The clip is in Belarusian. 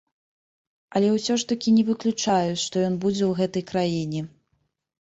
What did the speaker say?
Але ўсё ж такі не выключаю, што ён будзе ў гэтай краіне.